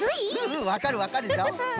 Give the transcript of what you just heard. うんわかるわかるぞ。